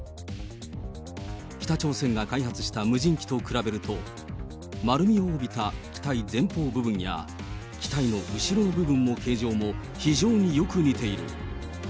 北朝鮮が開発した無人機と比べると、丸みを帯びた機体前方部分や、機体の後ろの部分の形状も非常によく似ている。